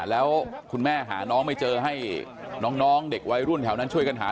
แล้วคุณแม่หาน้องไม่เจอให้น้องเด็กวัยรุ่นแถวนั้นช่วยกันหา